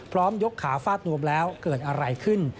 ยกขาฟาดนวมแล้วเกิดอะไรขึ้น